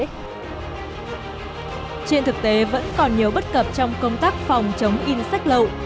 trên thực tế vẫn còn nhiều bất cập trong công tác phòng chống in sách lậu